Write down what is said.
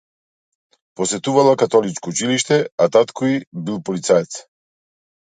Посетувала католичко училиште, а татко и бил полицаец.